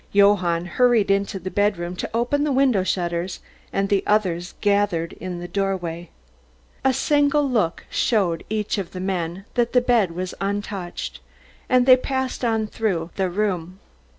Johann hurried into the bedroom to open the window shutters, and the others gathered in the doorway. A single look showed each of the men that the bed was untouched, and they passed on through the room.